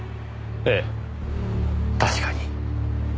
ええ確かに。